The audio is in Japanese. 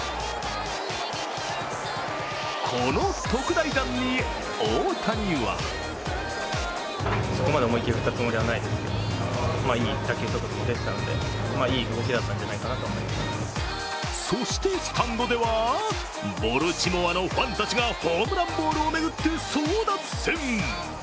この特大弾に大谷はそしてスタンドでは、ボルチモアのファンたちがホームランボールを巡って争奪戦。